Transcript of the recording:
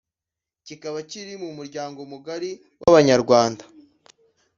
kikaba kiri mu muryango mugari wabanyarwnda